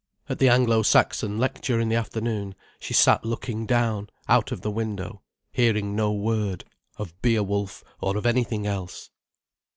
At the Anglo Saxon lecture in the afternoon, she sat looking down, out of the window, hearing no word, of Beowulf or of anything else.